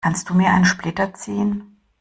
Kannst du mir einen Splitter ziehen?